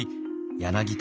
柳田。